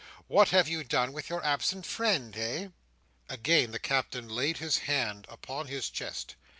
What have you done with your absent friend, hey?" Again the Captain laid his hand upon his chest.